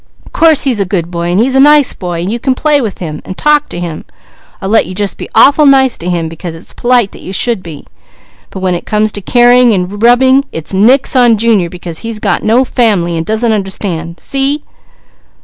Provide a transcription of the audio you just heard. Course he's a good boy, and he's a nice boy, and you can play with him, and talk to him, I'll let you just be awful nice to him, because it's polite that you should be, but when it comes to carrying and rubbing, it's nix on Junior, because he's got no family and doesn't understand. See?"